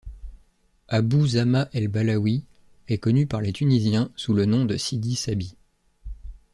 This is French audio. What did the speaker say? Abou Zamaa el-Balaoui est connu par les Tunisiens sous le nom de Sidi Sahbi.